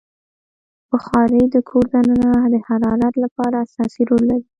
بخاري د کور دننه د حرارت لپاره اساسي رول لري.